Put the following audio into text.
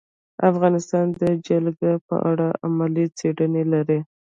افغانستان د جلګه په اړه علمي څېړنې لري.